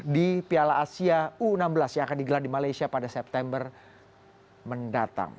di piala asia u enam belas yang akan digelar di malaysia pada september mendatang